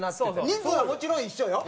人数はもちろん一緒よ。